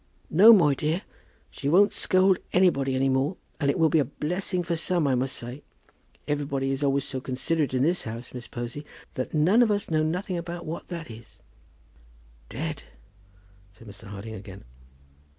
"No, my dear; she won't scold anybody any more; and it will be a blessing for some, I must say. Everybody is always so considerate in this house, Miss Posy, that we none of us know nothing about what that is." "Dead!" said Mr. Harding again.